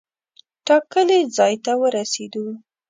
ټاکلي ځای ته ورسېدو.